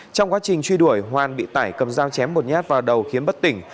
trong quá trình truy đuổi hoàn bị tải cầm dao chém một nhát vào đầu khiến bất tỉnh